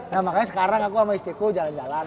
nah makanya sekarang aku sama istriku jalan jalan